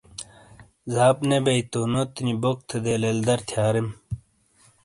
زاپ نے بیئی تو نوتی نی بوق تھے دے لیل دَر تھِیاریم۔